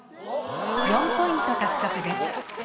４ポイント獲得です。